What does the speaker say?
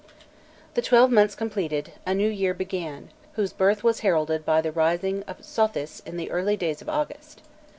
The twelve months completed, a new year began, whose birth was heralded by the rising of Sothis in the early days of August.